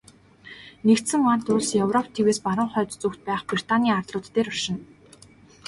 Нэгдсэн вант улс Европ тивээс баруун хойд зүгт байх Британийн арлууд дээр оршино.